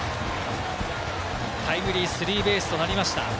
タイムリースリーベースとなりました。